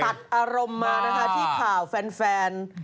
อัดอารมณ์มานะคะที่ข่าวแฟน